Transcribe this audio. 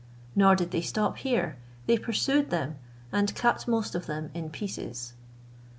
Nor did they stop here; they pursued them, and cut most of them in pieces.